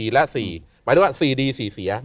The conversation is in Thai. และ๔หมายถึงว่า๔ดี๔เสีย